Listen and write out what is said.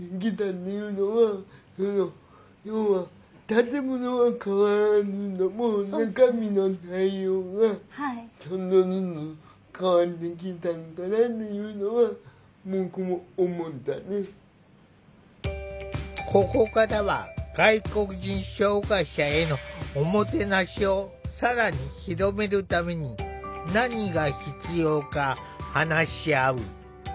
例えばふだんのここからは外国人障害者への“おもてなし”を更に広めるために何が必要か話し合う。